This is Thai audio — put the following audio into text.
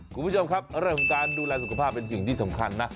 คุณผู้ชมครับเรื่องของการดูแลสุขภาพเป็นสิ่งที่สำคัญนะ